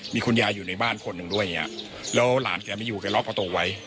มีคุณยายอยู่ในบ้านคนหนึ่งด้วยอย่างเงี้ยแล้วหลานแกไม่อยู่แกล็อกประตูไว้